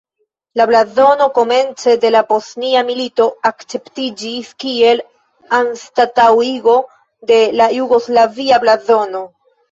La blazono komence de la Bosnia Milito akceptiĝis kiel anstataŭigo de la jugoslavia blazono.